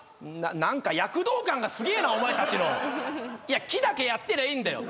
何か躍動感がすげえなお前たちのいや木だけやってりゃいいんだよ